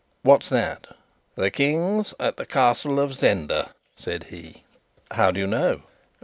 "What's that?" "The King's at the Castle of Zenda," said he. "How do you know?"